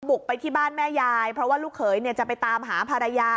บุกไปที่บ้านแม่ยายเพราะว่าลูกเขยจะไปตามหาภรรยา